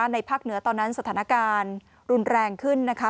ในภาคเหนือตอนนั้นสถานการณ์รุนแรงขึ้นนะคะ